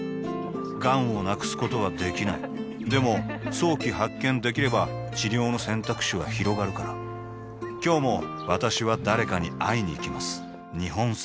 がんを無くすことはできないでも早期発見できれば治療の選択肢はひろがるから今日も私は誰かに会いにいきます